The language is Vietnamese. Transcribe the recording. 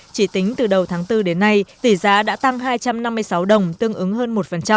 chỉ tính từ đầu tháng bốn đến nay tỷ giá đã tăng hai trăm năm mươi sáu đồng tương ứng hơn một